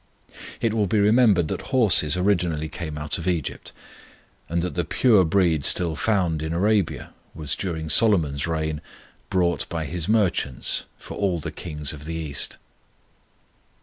It will be remembered that horses originally came out of Egypt, and that the pure breed still found in Arabia was during Solomon's reign brought by his merchants for all the kings of the East.